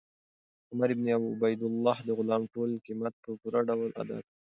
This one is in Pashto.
عمر بن عبیدالله د غلام ټول قیمت په پوره ډول ادا کړ.